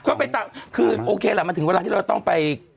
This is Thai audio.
ก็ไปตามคือโอเคแหละมันถึงเวลาที่เราต้องไป